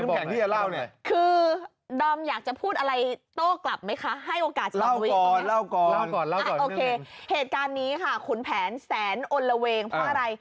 เขาทำอะไรพี่น้ำแขงละ